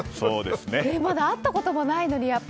まだ会ったこともないのに。